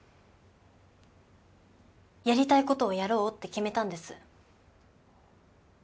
やりたいことをやろうって決めたんです。